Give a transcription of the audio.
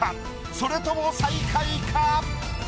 それとも最下位か？